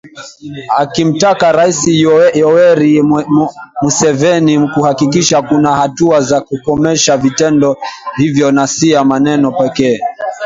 akimtaka Rais Yoweri Museveni kuhakikisha kuna hatua za kukomesha vitendo hivyo na sio maneno pekee